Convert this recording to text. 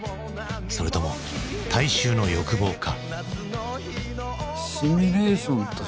それとも大衆の欲望か？